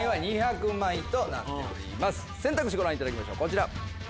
選択肢ご覧いただきましょう。